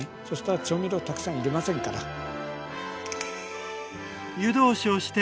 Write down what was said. そしたら調味料たくさん要りませんから。